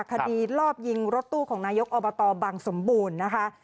คดีลอบยิงรถตู้ของนายกอบตบังสมบูรณ์นะคะ